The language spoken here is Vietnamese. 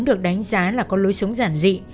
được đánh giá là có lối sống giản dị